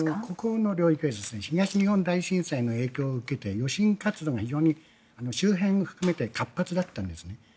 ここの領域は東日本大震災の影響を受けて余震活動が非常に周辺も含めて活発だったんですね。